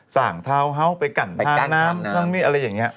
ส่างทาวน์ฮาวส์ไปกันทางน้ำอะไรอย่างนี้